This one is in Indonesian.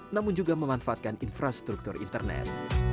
namun juga memanfaatkan infrastruktur internet